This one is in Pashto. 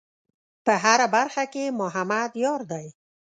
په هره خبره کې محمد یار دی.